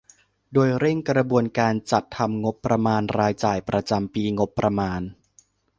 โดยเร่งกระบวนการจัดทำงบประมาณรายจ่ายประจำปีงบประมาณ